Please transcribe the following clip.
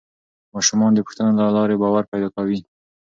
ماشومان د پوښتنو له لارې باور پیدا کوي